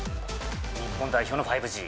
日本代表の５Ｇ？